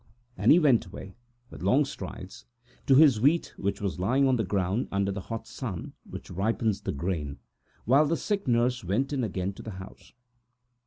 And he went away, with long strides, to his wheat, which was lying on the ground under the hot sun which ripens the grain, while the sick nurse returned to the house.